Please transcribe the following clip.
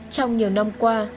trong nhiều năm qua